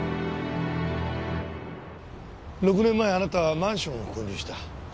６年前あなたはマンションを購入した。